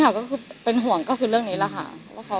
ค่ะก็คือเป็นห่วงก็คือเรื่องนี้แหละค่ะ